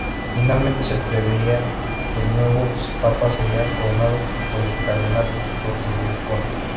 Finalmente, se preveía que el nuevo papa sería coronado por el cardenal protodiácono.